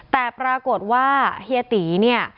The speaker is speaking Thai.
แต่ปรากฏว่าเฮียติ